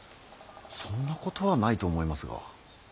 そんなことはないと思いますが。